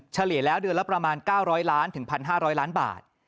เฉลี่ยแล้วเดือนละประมาณ๙๐๐ล้านถึง๑๕๐๐ล้านบาท